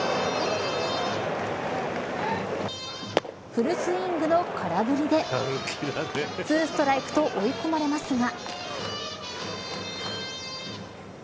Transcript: フルスイングの空振りで２ストライクと追い込まれますが。